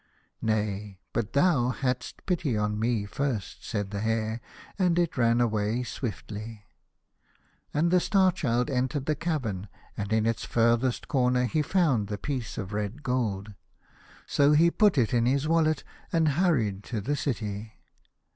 "Nay, but thou hadst pity on me first," said the Hare, and it ran away swiftly. And the Star Child entered the cavern, and in its farthest corner he found the piece of red gold. So he put it in his wallet, and 154 The Star Child. hurried to the city.